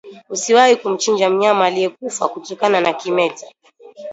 Usiwahi kumchinja mnyama aliyekufa kutokana na kimeta